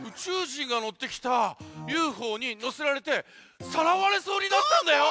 じんがのってきたＵＦＯにのせられてさらわれそうになったんだよ！